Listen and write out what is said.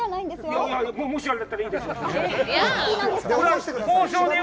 いやいや、もしあれだったらいいですよ。